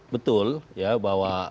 betul ya bahwa